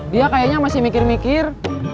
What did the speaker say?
dia kayaknya masih mikir mikir